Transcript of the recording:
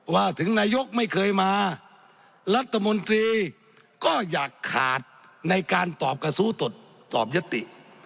ถึงนายกไม่เคยมารัฐมนตรีก็อยากขาดในการตอบกระสู้ตอบยติ